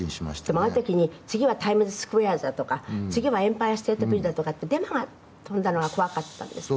でもああいう時に次はタイムズスクエアだとか次はエンパイアステートビルだとかデマが飛んだのは怖かったですね